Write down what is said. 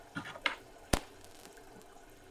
Vosotros no habréis visitado